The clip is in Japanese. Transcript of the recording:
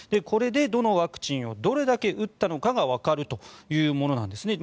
これでどのワクチンをどれだけ打ったのかがわかるというものです。